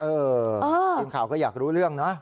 ทีมข่าวก็อยากรู้เรื่องนะ